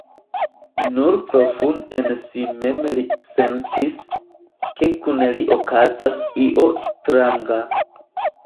Nur profunde en si mem li sentis, ke kun li okazas io stranga.